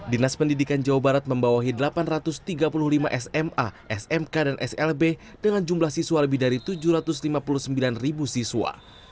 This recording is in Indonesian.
dinas pendidikan jawa barat membawahi delapan ratus tiga puluh lima sma smk dan slb dengan jumlah siswa lebih dari tujuh ratus lima puluh sembilan ribu siswa